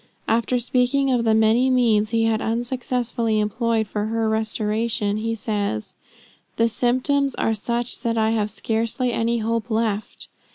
After speaking of the many means he had unsuccessfully employed for her restoration, he says "The symptoms are such that I have scarcely any hope left.